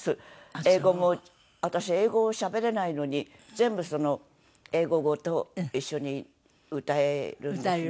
英語も私英語をしゃべれないのに全部その英語ごと一緒に歌えるんですね。